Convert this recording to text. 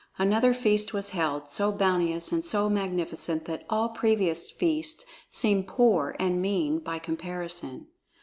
Another feast was held, so bounteous and so magnificent that all previous feasts seemed poor and mean by comparison.